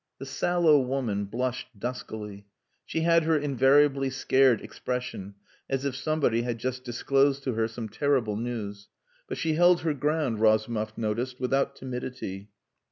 The sallow woman blushed duskily. She had her invariably scared expression, as if somebody had just disclosed to her some terrible news. But she held her ground, Razumov noticed, without timidity.